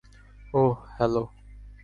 ওহ, hello.